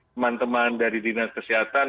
teman teman dari dinas kesehatan